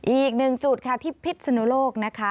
อีกหนึ่งจุดค่ะที่พิษนุโลกนะคะ